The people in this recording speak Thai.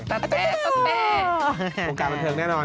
ทู่งกาบบนเทิงแน่นอน